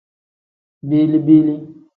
Bili-bili.